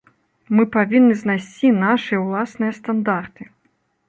Мы павінны знайсці нашыя ўласныя стандарты.